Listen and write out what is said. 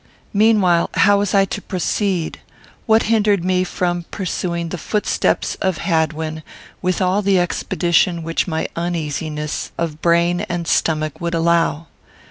Meanwhile, how was I to proceed? What hindered me from pursuing the footsteps of Hadwin with all the expedition which my uneasiness, of brain and stomach, would allow?